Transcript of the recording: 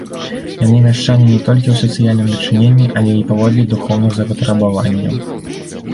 Яны мяшчане не толькі ў сацыяльным дачыненні, але і паводле духоўных запатрабаванняў.